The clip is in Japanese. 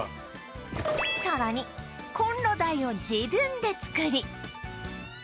さらにコンロ台を自分で作り